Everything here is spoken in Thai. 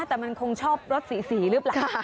แต่มันคงชอบรสสีหรือเปล่า